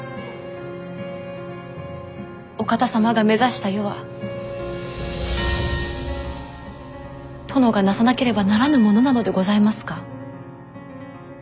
お方様が目指した世は殿がなさなければならぬものなのでございますか？